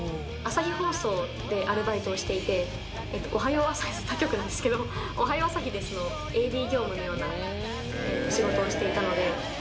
朝日放送でアルバイトをしていて、おはよう朝日です、他局なんですけど、おはよう朝日ですのＡＤ業務のような仕事をしていたので。